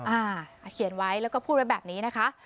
อ่าเขียนไว้แล้วก็พูดไว้แบบนี้นะคะ